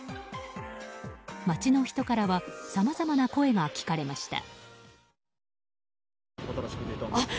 街の人からはさまざまな声が聞かれました。